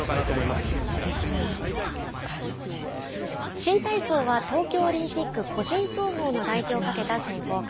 新体操は東京オリンピック個人総合の代表をかけた選考会。